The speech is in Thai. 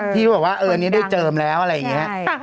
ที่เขาบอกว่าเอออันนี้ได้เจิมแล้วอะไรอย่างนี้